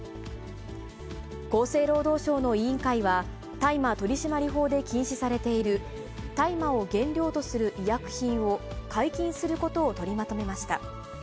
厚生労働省の委員会は、大麻取締法で禁止されている、大麻を原料とする医薬品を解禁することを取りまとめました。